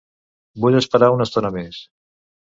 Vull esperar una estona més.